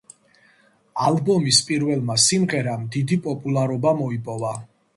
ალბომის პირველმა სიმღერამ დიდი პოპულარობა მოიპოვა.